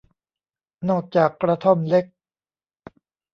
นอกจากกระท่อมเล็ก